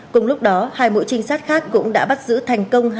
cùng lúc đó hai mũi trinh sát khác cũng đã bắt giữ thành công